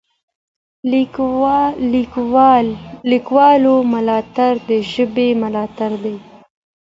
د لیکوالو ملاتړ د ژبې ملاتړ دی.